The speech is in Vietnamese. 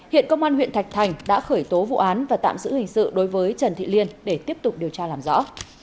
hiện công an huyện thạch thành đã khởi tố vụ án và tạm giữ hình sự đối với trần thị liên để tiếp tục điều tra làm rõ